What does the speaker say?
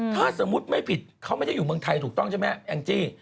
ถ้าสมมุติไม่ผิดเขาไม่ได้อยู่เมืองไทยถูกต้องใช่ไหมแองจี้